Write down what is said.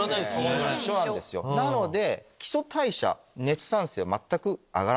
なので。